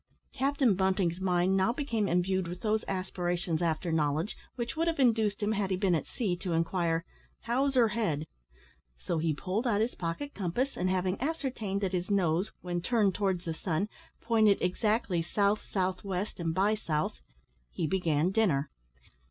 Captain Bunting's mind now became imbued with those aspirations after knowledge, which would have induced him, had he been at sea, to inquire, "How's her head?" so he pulled out his pocket compass, and having ascertained that his nose, when turned towards the sun, pointed exactly "south south west, and by south," he began dinner.